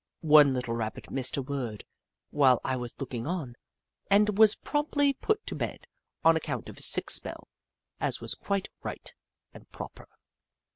One little Rabbit missed a word while I was looking on, and was promptly put to bed on account of his sick spell, as was quite right and proper.